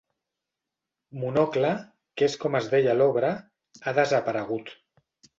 “Monocle”, que és com es deia l'obra, ha desaparegut.